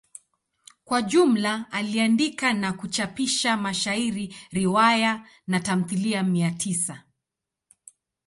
Kwa jumla aliandika na kuchapisha mashairi, riwaya na tamthilia mia tisa.